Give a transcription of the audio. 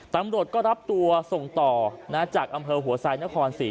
ตำรวจก็รับตัวส่งต่อจากอำเภอหัวไซนครศรี